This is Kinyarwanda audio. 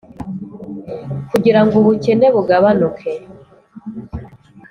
kugira ngo ubukene bugabanuke: